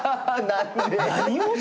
何で？